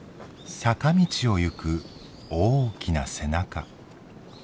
坂道を行く大きな背中。